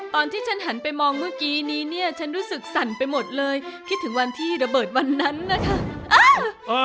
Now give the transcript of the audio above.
ตอนที่ฉันหันไปมองเมื่อกี้นี้เนี่ยฉันรู้สึกสั่นไปหมดเลยคิดถึงวันที่ระเบิดวันนั้นนะคะ